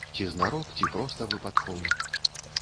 Ці знарок, ці проста выпадкова.